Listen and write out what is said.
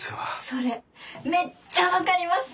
それめっちゃ分かります！